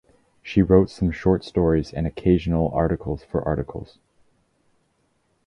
She wrote some short stories and occasional articles for articles.